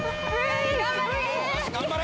頑張れ！